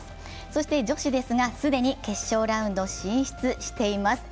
そして女子ですが、既に決勝ラウンド進出しています。